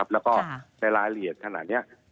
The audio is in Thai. แล้วก็ในรายละเอียดขนาดนี้